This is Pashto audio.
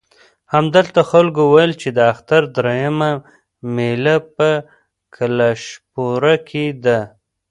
همدلته خلکو وویل چې د اختر درېیمه مېله په کلشپوره کې ده.